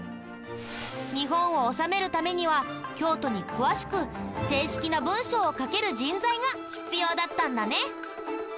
日本を治めるためには京都に詳しく正式な文書を書ける人材が必要だったんだね。